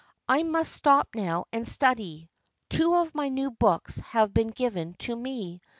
I must stop now and study. Two of my new books have been given to me.